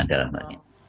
ini yang terakhir